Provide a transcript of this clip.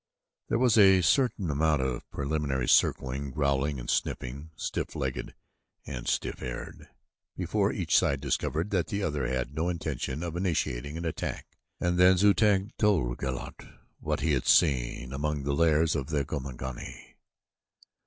There was a certain amount of preliminary circling, growling, and sniffing, stiff legged and stiff haired, before each side discovered that the other had no intention of initiating an attack and then Zu tag told Go lat what he had seen among the lairs of the Gomangani.